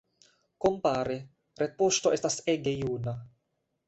Kompare, retpoŝto estas ege juna.